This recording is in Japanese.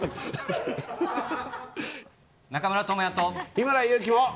日村勇紀も。